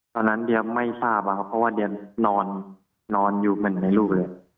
ตอนนั้นเดียไม่ทราบอะครับเพราะว่าเดียนอนอยู่เหมือนในลูกเลย